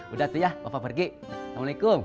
udah tuh ya bapak pergi assalamualaikum